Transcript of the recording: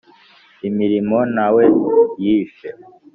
imirimo nta we yishe,